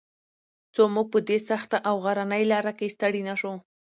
څو موږ په دې سخته او غرنۍ لاره کې ستړي نه شو.